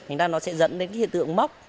nó sẽ dẫn đến hiện tượng móc